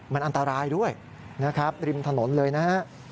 มันอันตรายด้วยนะครับริมถนนเลยนะฮะ